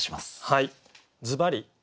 はい。